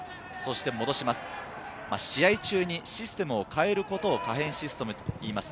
試合中にシステムを変えることを可変システムといいます。